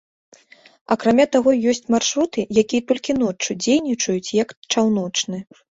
Акрамя таго, ёсць маршруты, якія толькі ноччу дзейнічаюць як чаўночны.